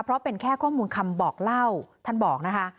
เพราะเป็นแค่ข้อมูลคำบอกเล่าท่านบอกนะคะ